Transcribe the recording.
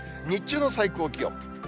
日中の最高気温。